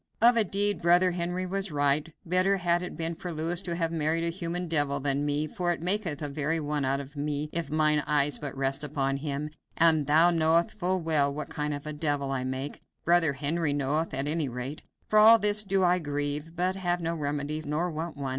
Of a deed, brother Henry was right; better had it been for Louis to have married a human devil than me, for it maketh a very one out of me if mine eyes but rest upon him, and thou knowest full well what kind of a devil I make brother Henry knoweth, at any rate. For all this do I grieve, but have no remedy, nor want one.